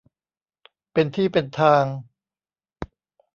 เป็นที่เป็นทาง